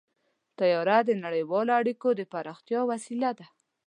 طیاره د نړیوالو اړیکو د پراختیا وسیله ده.